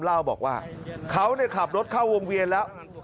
เล่าบอกว่าเขาขับรถเข้าวงเวียนแล้ว